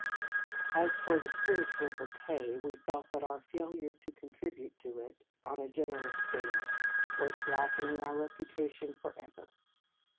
As for the " spiritual bouquet," we felt that our failure to contribute to it on a generous scale was blackening our reputations forever.